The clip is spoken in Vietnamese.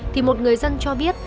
thì một người dân cho biết